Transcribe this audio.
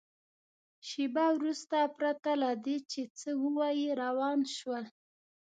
شېبه وروسته پرته له دې چې څه ووایي روان شول.